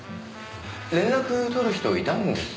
連絡取る人いたんですね。